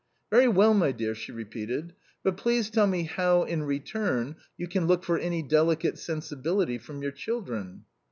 "Very well, my dear," she repeated "But please tell me how, in return, you can look for any delicate sensibility from your children?"